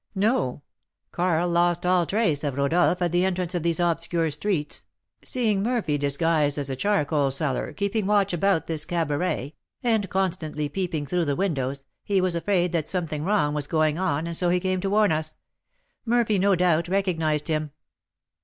"No; Karl lost all trace of Rodolph at the entrance of these obscure streets. Seeing Murphy disguised as a charcoal seller, keeping watch about this cabaret, and constantly peeping through the windows, he was afraid that something wrong was going on, and so came to warn us. Murphy, no doubt, recognised him."